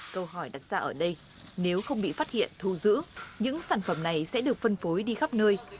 câu hỏi đặt ra ở đây nếu không bị phát hiện thu giữ những sản phẩm này sẽ được phân phối đi khắp nơi